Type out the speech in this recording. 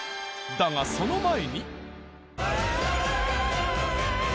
だがその前に。